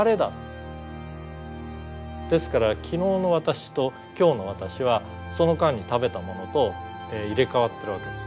ですから昨日の私と今日の私はその間に食べたものと入れ代わってるわけですね。